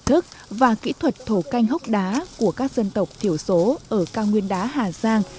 trí thức và kỹ thuật thổ canh hốc đá của các dân tộc thiểu số ở cao nguyên đá hà giang